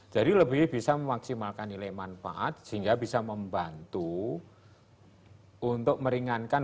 jadi lebih bisa memaksimalkan nilai manfaat sehingga bisa membantu untuk meringankan